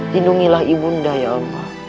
lindungilah ibunda ya allah